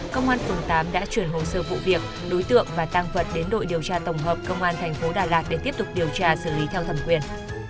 công an phường tám đã chuyển hồ sơ vụ việc đối tượng và tăng vật đến đội điều tra tổng hợp công an thành phố đà lạt để tiếp tục điều tra xử lý theo thẩm quyền